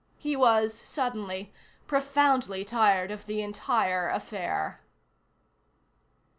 He was, suddenly, profoundly tired of the entire affair.